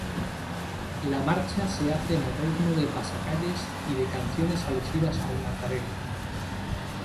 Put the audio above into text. La marcha se hace al ritmo de pasacalles y de canciones alusivas al Nazareno.